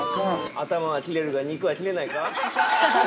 ◆頭はキレるが肉は切れないか。